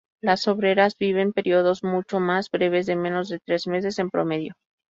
Las obreras viven períodos mucho más breves, de menos de tres meses en promedio.